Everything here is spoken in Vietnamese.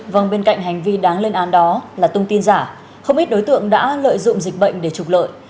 vâng bên cạnh hành vi đáng lên án đó là tung tin giả không ít đối tượng đã lợi dụng dịch bệnh để trục lợi